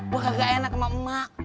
gue gak enak sama emak